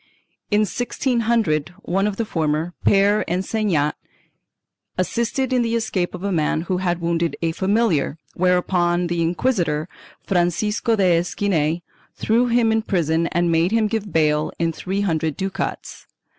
In 1600, one of the former, Pere Ensenat, assisted in the escape of a man who had wounded a familiar, whereupon the inquisitor, Francisco de Esquinel, threw him in prison and made him give bail in three hundred ducats.